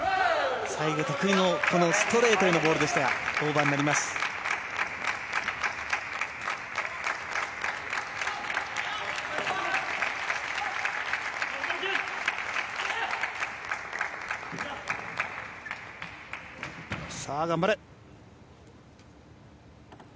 最後、得意のストレートのボールでしたがオーバーになります。